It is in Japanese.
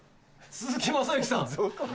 鈴木雅之さん。